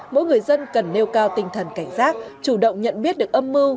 mỗi người dân cần nêu cao tinh thần cảnh giác chủ động nhận biết được âm mưu